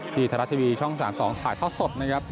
ที่ทะเลาทีวีช่อง๓๒ถ่ายเท่าสด